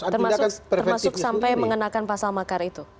termasuk sampai mengenakan pasal makar itu